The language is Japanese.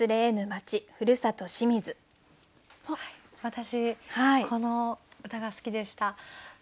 私この歌が好きでした。